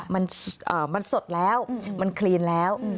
มันสดแล้วมันคลีนแล้ว